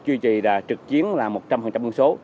chuyên trì trực chiến là một trăm linh bằng số